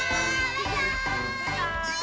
バイバーイ！